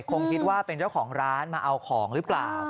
คงคิดว่าเป็นเจ้าของร้านมาเอาของหรือเปล่า